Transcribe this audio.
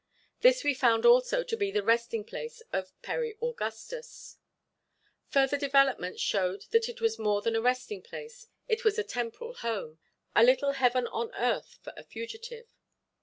This we found also to be the resting place of Perry Augustus. Further developments showed that it was more than a resting place, it was a temporal home, a little heaven on earth for a fugitive.